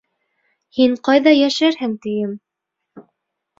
Һин ҡайҙа йәшәрһең, тием.